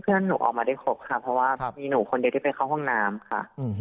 หนูออกมาได้ครบค่ะเพราะว่ามีหนูคนเดียวที่ไปเข้าห้องน้ำค่ะ